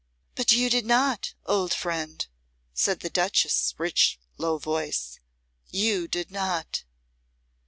'" "But you did not, old friend," said the Duchess's rich, low voice; "you did not."